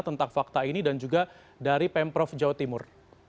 tentang fakta ini dan juga dari pemprov jawa timur